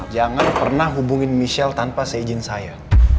jangan pernah hubungin michelle tanpa seizin saya